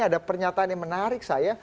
ada pernyataan yang menarik saya